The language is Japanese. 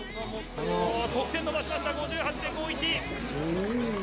得点伸ばしました５８．５１。